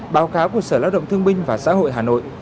báo cáo của sở lao động thương binh và xã hội hà nội